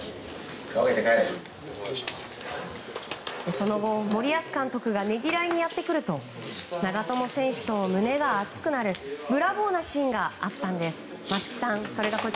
その後、森保監督がねぎらいにやってくると長友選手と胸が熱くなるブラボーなシーンがあったんです、松木さん。